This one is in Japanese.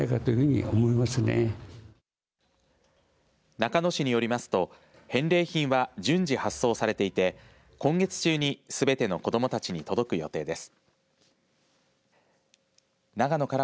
中野市によりますと返礼品は順次発送されていて今月中にすべての子どもたちに届く予定です。